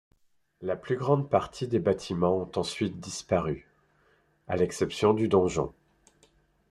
La plus grande partie des bâtiments ont ensuite disparu, à l'exception du donjon.